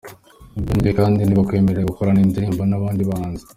Byongeye kandi ntibakwemerera gukorana indirimbo n’abandi bahanzi.